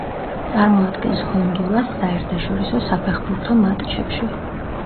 წარმოადგენს ჰონდურასს საერთაშორისო საფეხბურთო მატჩებში.